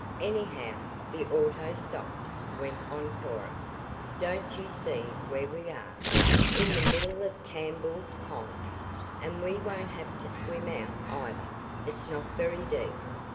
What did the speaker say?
"Anyhow, the auto stopped," went on Cora. "Don't you see where we are? In the middle of Campbell's Pond. And we won't have to swim out, either. It's not very deep.